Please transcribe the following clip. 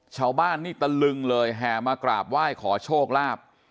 ชาวบ้านนี่ตะลึงเลยแห่มากราบไหว้ขอโชคลาภ